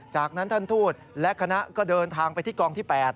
จากนั้นท่านทูตและคณะก็เดินทางไปที่กองที่๘